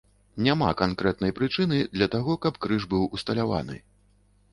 Няма канкрэтнай прычыны для таго, каб крыж быў усталяваны.